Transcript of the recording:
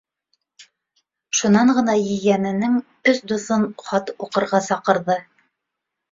Шунан ғына ейәненең өс дуҫын хат уҡырға саҡырҙы.